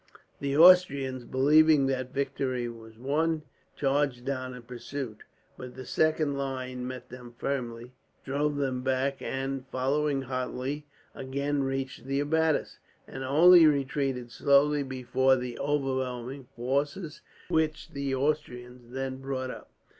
The Austrians, believing that victory was won, charged down in pursuit; but the second line met them firmly, drove them back and, following hotly, again reached the abattis; and only retreated slowly before the overwhelming forces which the Austrian then brought up.